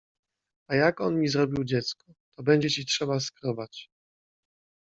— A jak on mi zrobił dziecko? — To będzie ci trzeba skrobać.